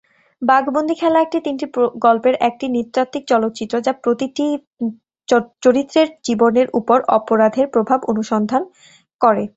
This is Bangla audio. বাঘ বন্দি খেলা একটি তিনটি গল্পের একটি নৃতাত্ত্বিক চলচ্চিত্র যা প্রতিটি চরিত্রের জীবনের উপর অপরাধের প্রভাব অনুসন্ধান করে।